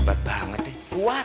hebat banget ya kuat